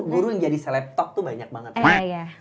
guru yang jadi seleptop tuh banyak banget